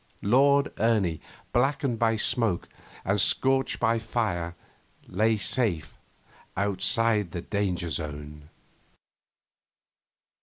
Lord Ernie, blackened by smoke and scorched by fire, lay safe outside the danger zone.